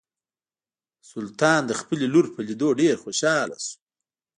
سلطان د خپلې لور په لیدو ډیر خوشحاله شو.